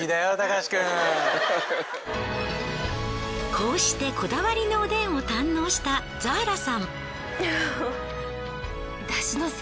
こうしてこだわりのおでんを堪能したザーラさん。